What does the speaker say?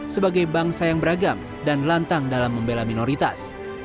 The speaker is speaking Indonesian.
sebagai bangsa yang beragam dan lantang dalam membela minoritas